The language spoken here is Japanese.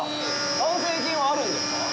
完成品はあるんですか？